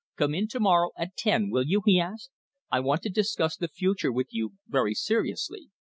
"Come in to morrow at ten, will you?" he asked. "I want to discuss the future with you very seriously.